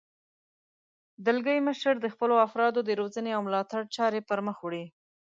دلګی مشر د خپلو افرادو د روزنې او ملاتړ چارې پرمخ وړي.